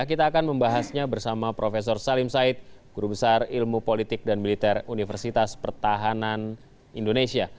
kita akan membahasnya bersama prof salim said guru besar ilmu politik dan militer universitas pertahanan indonesia